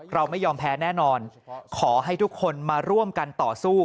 เราไม่ยอมแพ้แน่นอนขอให้ทุกคนมาร่วมกันต่อสู้